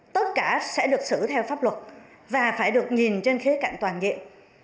tất cả sẽ được xử theo pháp luật và phải được nhìn trên khía cạnh toàn diện